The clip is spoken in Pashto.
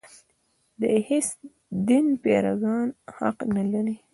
د هېڅ دین پیروان حق نه لري.